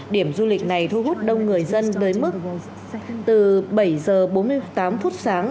điểm du lịch này thu hút đông người dân tới mức từ bảy giờ bốn mươi tám phút sáng